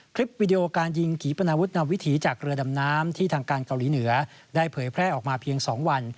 คลิปวิดีโอการยิงกีปนาวุฒนำวิถีจากเรือดำน้ำที่ทางการเกาหลีเหนือได้เผยแพร่ออกมาเพียง๒วัน